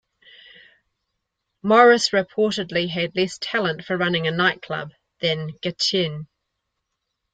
Maurice reportedly had less talent for running a nightclub than Gatien.